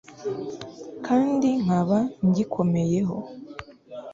kandi nkaba ngikomeyeho